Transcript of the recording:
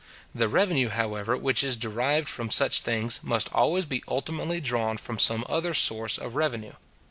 The revenue, however, which is derived from such things, must always be ultimately drawn from some other source of revenue.